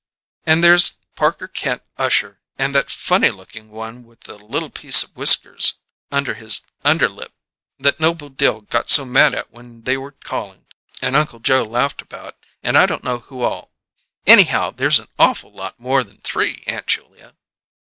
And there's Parker Kent Usher and that funny lookin' one with the little piece of whiskers under his underlip that Noble Dill got so mad at when they were calling, and Uncle Joe laughed about, and I don't know who all! Anyhow, there's an awful lot more than three, Aunt Julia."